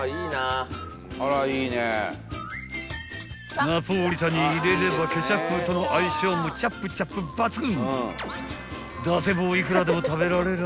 ［ナポリタンに入れればケチャップとの相性もチャップチャップ抜群］